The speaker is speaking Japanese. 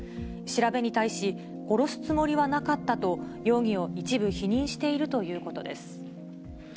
調べに対し、殺すつもりはなかったと容疑を一部否認しているということです。